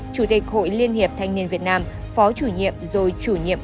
chủ tịch hội liên hiệp thanh niên việt nam phó chủ nhiệm rồi chủ nhiệm